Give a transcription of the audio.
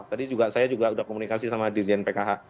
tadi saya juga sudah komunikasi sama dirjen pkh